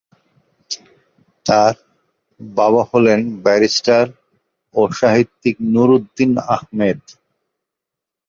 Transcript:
তাঁর বাবা হলেন ব্যারিস্টার ও সাহিত্যিক নুরউদ্দিন আহমেদ।